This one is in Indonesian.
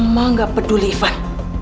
mama nggak peduli ivan